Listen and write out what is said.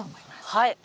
はい。